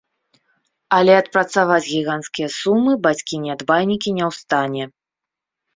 Але адпрацаваць гіганцкія сумы бацькі-нядбайнікі не ў стане.